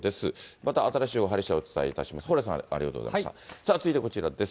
また新しい情報入りしだい、お伝えいたします。